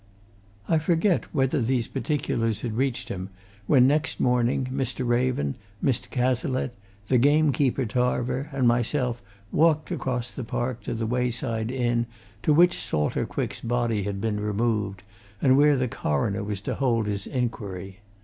I forget whether these particulars had reached him, when, next morning, Mr. Raven, Mr. Cazalette, the gamekeeper Tarver, and myself walked across the park to the wayside inn to which Salter Quick's body had been removed, and where the coroner was to hold his inquiry.